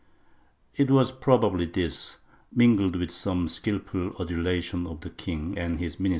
It was probably this, mingled with some skilful adulation of the king 1 Llorente, Hist, crit.